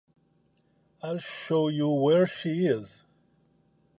I'll show you where she is.